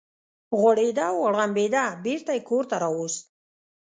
غوږېده او غړمبېده، بېرته یې کور ته راوست.